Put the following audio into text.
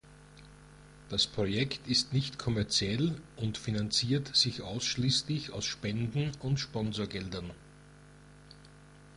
Das Projekt ist nicht kommerziell und finanziert sich ausschließlich aus Spenden und Sponsorengeldern.